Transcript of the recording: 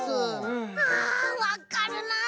あわかるなあ！